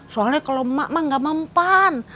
soalnya kalau mak mak gak mempan